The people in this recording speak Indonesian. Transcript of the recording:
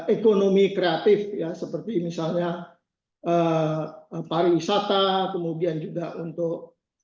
ekonomi kreatif ya seperti misalnya pariwisata kemudian juga untuk